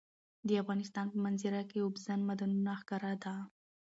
د افغانستان په منظره کې اوبزین معدنونه ښکاره ده.